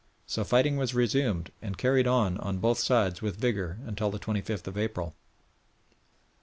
So fighting was resumed, and carried on on both sides with vigour until the 25th of April.